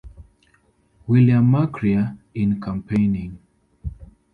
William McCrea in campaigning.